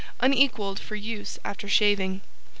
Unequaled for use after Shaving.